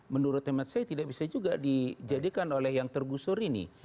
menurut hemat saya tidak bisa juga dijadikan oleh yang tergusur ini